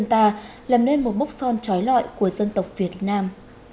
nhân dân ta làm nên một bốc son trói lọi của dân tộc việt nam